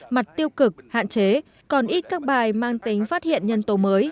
mặt tiêu cực hạn chế còn ít các bài mang tính phát hiện nhân tố mới